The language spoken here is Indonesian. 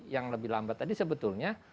yang lebih lambat tadi sebetulnya